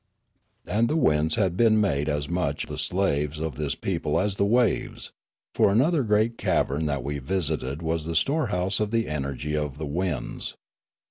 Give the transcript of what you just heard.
And the winds had been made as much the slaves of this people as the waves; for another great cavern that we visited was the storehouse of the energy of the winds.